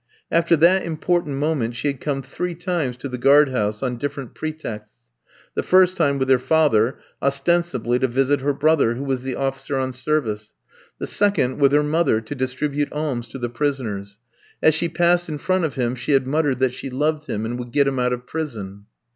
After that important moment she had come three times to the guard house on different pretexts. The first time with her father, ostensibly to visit her brother, who was the officer on service; the second with her mother, to distribute alms to the prisoners. As she passed in front of him she had muttered that she loved him and would get him out of prison.